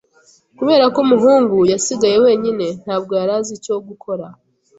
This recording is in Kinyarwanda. Kubera ko umuhungu yasigaye wenyine, ntabwo yari azi icyo gukora.